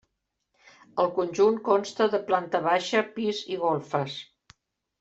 El conjunt consta de planta baixa, pis i golfes.